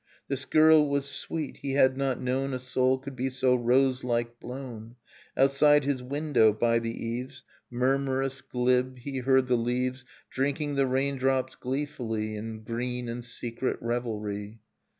This girl was sweet. He had not known A soul could be so rose like blown ... Outside his window, by the eaves, Murmurous, glib, he heard the leaves Drinking the raindrops gleefully In green and secret revelry.